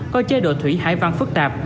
có chế độ thủy hải văn phức tạp